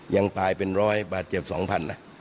ยังตายเป็นร้อยบาดเจ็บ๒๐๐๐นะ